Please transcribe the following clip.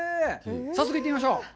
早速行ってみましょう。